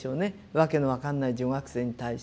訳の分かんない女学生に対して。